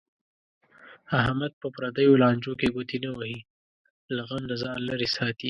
احمد په پردیو لانجو کې ګوتې نه وهي. له غم نه ځان لرې ساتي.